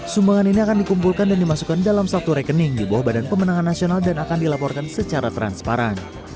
sumbangan ini akan dikumpulkan dan dimasukkan dalam satu rekening di bawah badan pemenangan nasional dan akan dilaporkan secara transparan